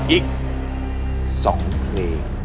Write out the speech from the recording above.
อีก๒เพลง